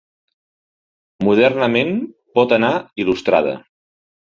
Modernament pot anar il·lustrada.